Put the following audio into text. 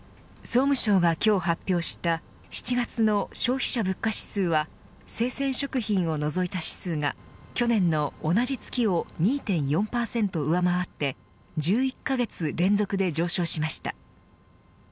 総務省が今日発表した７月の消費者物価指数は生鮮食品を除いた指数が去年の同じ月を２．４％上回って１１カ月連続で上昇しました。